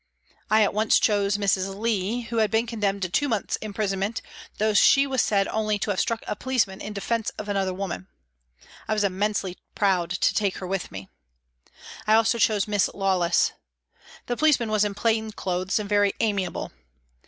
I at once chose Mrs. Leigh, who had been condemned to two months' imprisonment, though she was said only to have struck a policeman in defence of another woman. I was immensely proud to take her with me. I also chose Miss Lawless. The policeman was in plain clothes and very amiable.